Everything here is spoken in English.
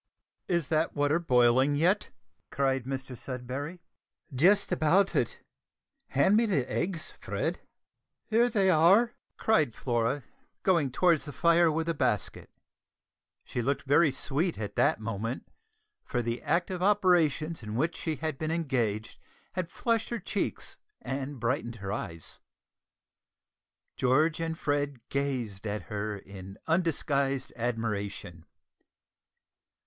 "Is that water boiling yet?" cried Mr Sudberry. "Just about it. Hand me the eggs, Fred." "Here they are," cried Flora, going towards the fire with a basket. She looked very sweet at that moment, for the active operations in which she had been engaged had flushed her cheeks and brightened her eyes. George and Fred gazed at her in undisguised admiration.